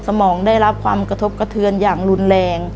สทำกระทบกระเทือนอย่างหนุนแรง